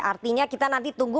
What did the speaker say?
artinya kita nanti tunggu